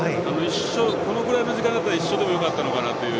このくらいの時間だったら一緒でもよかったかなと。